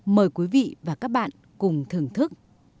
mời quý vị và các bạn cùng thưởng thức